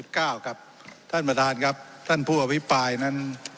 ข้อ๑๙ครับท่านประธานครับท่านผู้อวิปรายนั้น